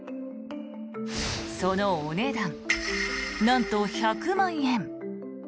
そのお値段、なんと１００万円。